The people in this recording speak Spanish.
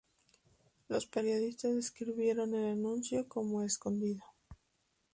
Los periodistas describieron el anuncio como "escondido".